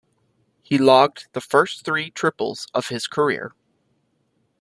He logged the first three triples of his career.